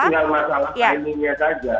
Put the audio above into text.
tinggal masalah timingnya saja